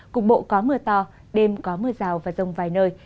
cục bộ có mưa to đêm có mưa rào và rông vài nơi